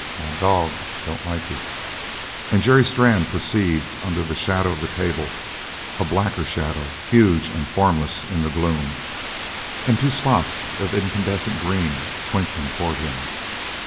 My dog don't like you." And Jerry Strann perceived, under the shadow of the table, a blacker shadow, huge and formless in the gloom, and two spots of incandescent green twinkling towards him.